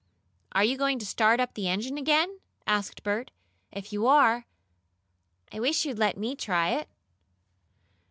"Are you going to start up the engine again?" asked Bert. "If you are, I wish you'd let me try to do it."